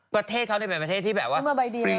ประเทศเขาเป็นประเทศที่แบบว่า